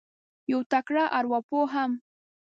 یو تکړه اروا پوه هم